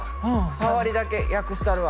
さわりだけ訳したるわ。